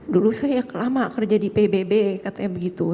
dulu saya lama kerja di pbb katanya begitu